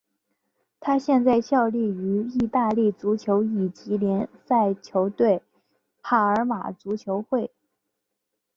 他现在效力于意大利足球乙级联赛球队帕尔马足球会。